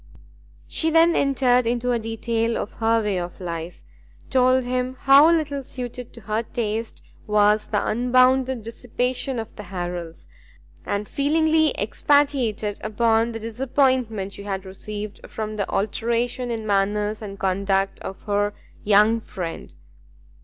She then entered into a detail of her way of life, told him how little suited to her taste was the unbounded dissipation of the Harrels, and feelingly expatiated upon the disappointment she had received from the alteration in the manners and conduct of her young friend.